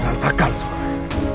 siap takal suara